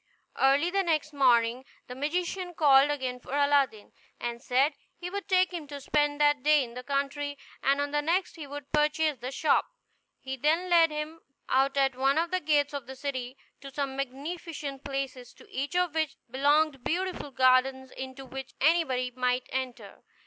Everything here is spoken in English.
Early the next morning, the magician called again for Aladdin, and said he would take him to spend that day in the country, and on the next he would purchase the shop. He then led him out at one of the gates of the city, to some magnificent palaces, to each of which belonged beautiful gardens, into which anybody might enter.